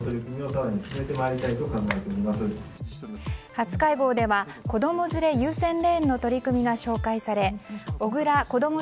初会合では子供連れ優先レーンの取り組みが紹介され小倉こども